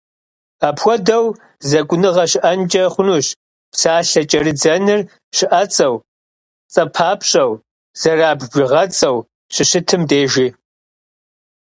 Апхуэдэу зэкӏуныгъэ щыӏэнкӏэ хъунущ псалъэ кӏэрыдзэныр щыӏэцӏэу, цӏэпапщӏэу, зэрабж бжыгъэцӏэу щыщытым дежи.